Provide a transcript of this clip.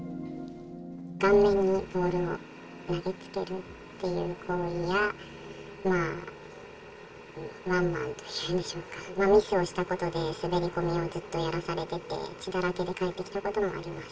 顔面にボールを投げつけるっていう行為や、ワンマンというんでしょうか、ミスをしたことで、滑り込みをずっとやらされてて、血だらけで帰ってきたことがあります。